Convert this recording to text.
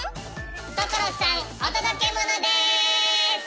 所さんお届けモノです！